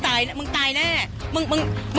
ปากกับภาคภูมิ